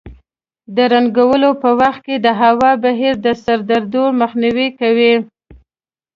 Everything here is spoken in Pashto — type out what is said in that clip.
د رنګولو په وخت کې د هوا بهیر د سردردۍ مخنیوی کوي.